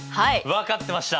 分かってました。